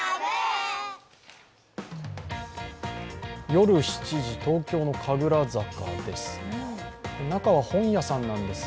夜７時、東京の神楽坂です。